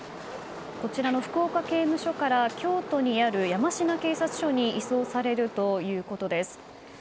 こちらの福岡刑務所から京都にある山科警察署に移送されるということです。